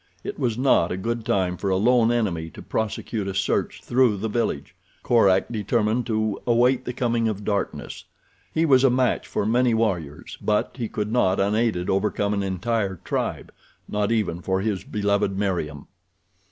It was not a good time for a lone enemy to prosecute a search through the village. Korak determined to await the coming of darkness. He was a match for many warriors; but he could not, unaided, overcome an entire tribe—not even for his beloved Meriem.